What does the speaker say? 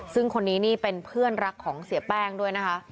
ซึ่งคนนี้นี่เป็นเพื่อนรักของเสียแป้งด้วยนะคะ